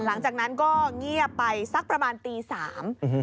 หลังจากนั้นก็เงียบไปสักประมาณตีสาม